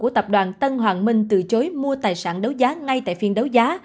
của tập đoàn tân hoàng minh từ chối mua tài sản đấu giá ngay tại phiên đấu giá